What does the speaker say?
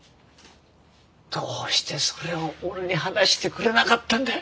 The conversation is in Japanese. どうしてそれを俺に話してくれなかったんだ。